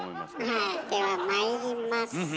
はいではまいります。